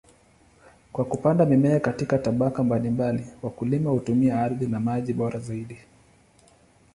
Kwa kupanda mimea katika tabaka mbalimbali, wakulima hutumia ardhi na maji bora zaidi.